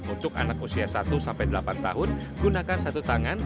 untuk anak usia satu sampai delapan tahun gunakan satu tangan